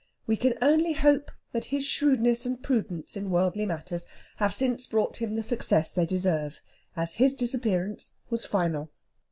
We can only hope that his shrewdness and prudence in worldly matters have since brought him the success they deserve, as his disappearance was final.